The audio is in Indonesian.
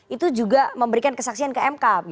itu juga memberikan kesaksian ke mk